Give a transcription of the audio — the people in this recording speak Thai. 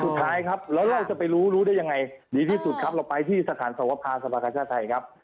สุดท้ายครับแล้วเราจะไปรู้รู้ได้ยังไงดีที่สุดครับเราไปที่สถานสวภาสภาชาติไทยครับ